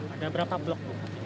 ada berapa blok